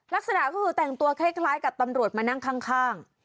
ลักษณะก็คือแต่งตัวคล้ายกับตำรวจมานั่งข้าง